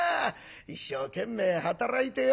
一生懸命働いてよ